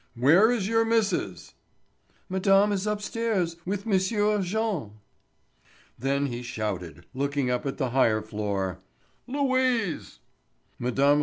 "Where is your Miss'es?" "Madame is upstairs with M'sieu Jean." Then he shouted, looking up at the higher floor: "Louise!" Mme.